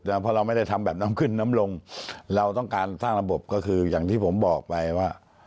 เพราะเราไม่ได้ทำแบบน้ำขึ้นน้ำลงเราต้องการสร้างระบบก็คืออย่างที่ผมบอกไปว่า